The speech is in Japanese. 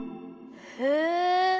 へえ。